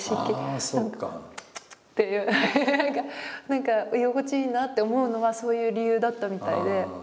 何か居心地いいなって思うのはそういう理由だったみたいで。